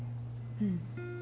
うん。